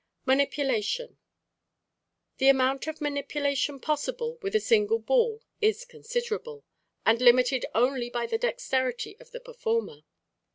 Manipulation.—The amount of manipulation possible with a single ball is considerable, and limited only by the dexterity of the performer.